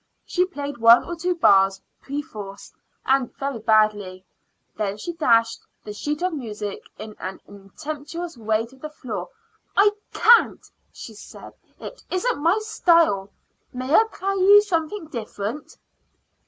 She played one or two bars perforce and very badly; then she dashed the sheet of music in an impetuous way to the floor. "I can't," she said; "it isn't my style. May I play you something different?"